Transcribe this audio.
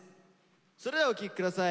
それではお聴き下さい。